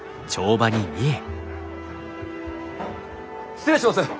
失礼します！